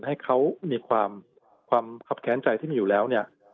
ให้เขามีความขับแขนใจที่มีอยู่แล้ว